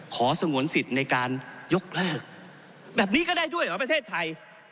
สงวนสิทธิ์ในการยกเลิกแบบนี้ก็ได้ด้วยเหรอประเทศไทย